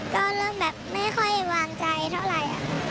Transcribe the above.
ก็เริ่มแบบไม่ค่อยวางใจเท่าไหร่